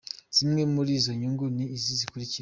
Zimwe muri izo nyungu ni izi zikurikira:.